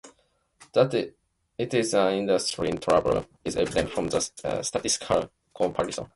That it is an industry in trouble is evident from the statistical comparison.